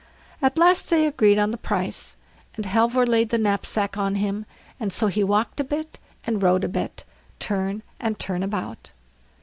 At last they agreed on the price, and Halvor laid the knapsack on him, and so he walked a bit, and rode a bit, turn and turn about.